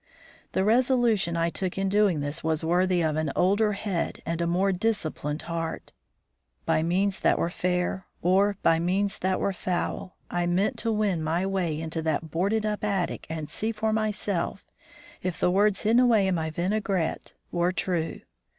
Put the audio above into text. The resolution I took in doing this was worthy of an older head and a more disciplined heart. By means that were fair, or by means that were foul, I meant to win my way into that boarded up attic and see for myself if the words hidden away in my vinaigrette were true.